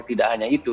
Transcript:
tidak hanya itu